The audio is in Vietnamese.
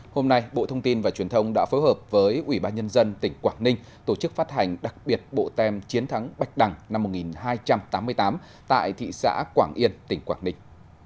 hôm nay bộ thông tin và truyền thông đã phối hợp với ủy ban nhân dân tỉnh quảng ninh tổ chức phát hành đặc biệt bộ tem chiến thắng bạch đằng năm một nghìn hai trăm tám mươi tám tại thị xã quảng yên tỉnh quảng ninh